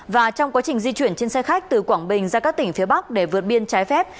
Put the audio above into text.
và trong quá trình di chuyển trên xe khách từ quảng bình ra các tỉnh phía bắc để vượt biên trái phép